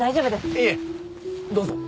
いえどうぞ